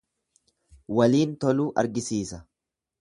Waliin toluu agarsiisa.